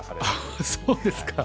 あっそうですか。